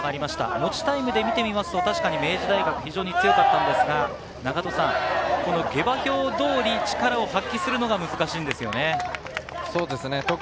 持ちタイムで見ると明治大学、強かったのですが、下馬評通りに力を発揮するのが難しいんですよね。